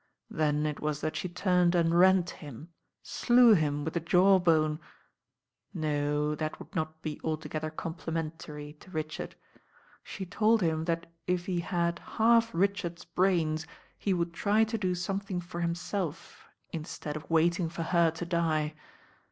Then it was that she turned and rent him, slew him with the jawbone— No, that would not be alto gether complimentary to Richard. She told him that if he had half Richard's brains, he would try to do something for himself instead of waiting for her to die.